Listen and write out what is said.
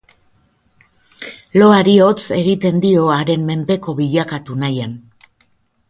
Loari hots egiten dio, haren menpeko bilakatu nahian.